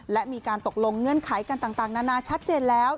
และมีการตกลงเงื่อนไขกันต่างนานาชัดเจนแล้ว